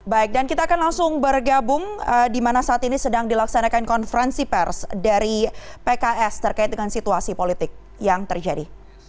baik dan kita akan langsung bergabung di mana saat ini sedang dilaksanakan konferensi pers dari pks terkait dengan situasi politik yang terjadi